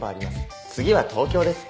次は東京です。